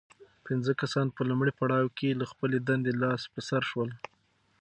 پنځه کسان په لومړي پړاو کې له خپلې دندې لاس په سر شول.